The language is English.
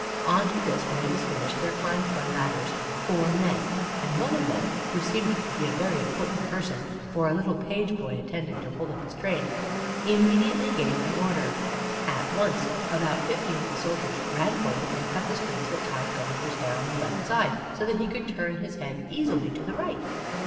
On to this, when it was finished, there climbed by ladders four men, and one of them (who seemed to be a very important person, for a little page boy attended to hold up his train) immediately gave an order. At once about fifty of the soldiers ran forward and cut the strings that tied Gulliver's hair on the left side, so that he could turn his head easily to the right.